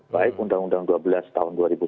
baik undang undang dua belas tahun dua ribu sebelas